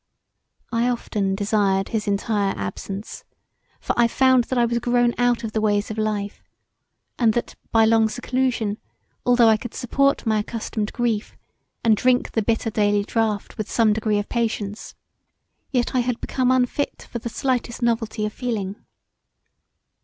I often desired his entire absence; for I found that I was grown out of the ways of life and that by long seclusion, although I could support my accustomed grief, and drink the bitter daily draught with some degree of patience, yet I had become unfit for the slightest novelty of feeling.